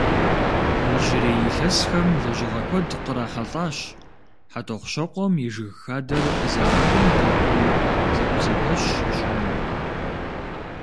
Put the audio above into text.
Иужьрей илъэсхэм лэжьыгъэ куэд кърахьэлӏащ Хьэтӏохъущокъуэм и жыг хадэр зэманым декӏуу зэӏузэпэщ щӏыным.